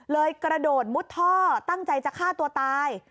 กระโดดมุดท่อตั้งใจจะฆ่าตัวตาย